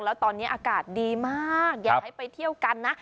แล้วตอนนี้อากาศดีมากอยากให้ไปเที่ยวกันนะ